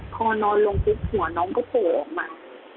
พอนอนลงปุ๊บหัวน้องก็โผล่ออกมา